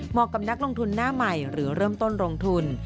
กับนักลงทุนหน้าใหม่หรือเริ่มต้นลงทุน